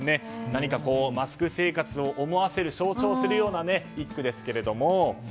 何かこう、マスク生活を思わせる象徴するような一句ですけども。